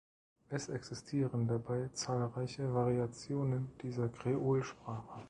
Es existieren dabei zahlreiche Variationen dieser Kreolsprache.